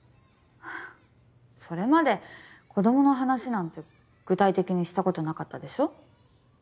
それまで子供の話なんて具体的にしたことなかったでしょ。